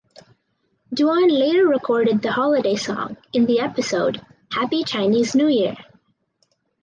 Duan later recorded the holiday song in the episode "Happy Chinese New Year".